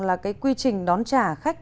là cái quy trình đón trả khách